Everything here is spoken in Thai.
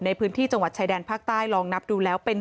ในพื้นที่จังหวัดชายแดนภาคใต้ลองนับดูแล้วเป็น